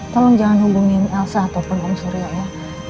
tolong jangan hubungin elsa ataupun om surya ya